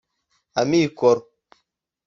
amikoro